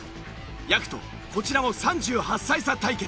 やくとこちらも３８歳差対決！